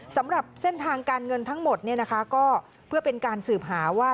สำหรับเส้นทางการเงินทั้งหมดเนี่ยนะคะก็เพื่อเป็นการสืบหาว่า